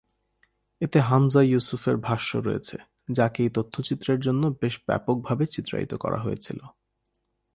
এতে হামজা ইউসুফের ভাষ্য রয়েছে, যাকে এই তথ্যচিত্রের জন্য বেশ ব্যাপকভাবে চিত্রায়িত করা হয়েছিল।